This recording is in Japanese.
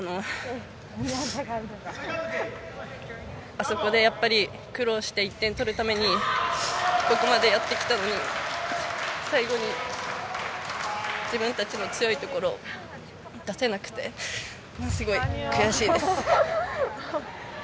あそこで苦労して１点取るためにここまでやってきたのに最後に自分たちの強いところを出せなくてすごい悔しいです。